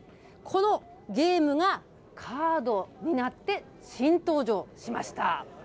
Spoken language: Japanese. このゲームがカードになって新登場しました。